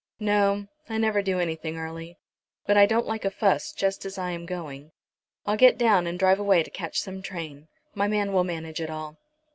"No; I never do anything early. But I don't like a fuss just as I am going. I'll get down and drive away to catch some train. My man will manage it all."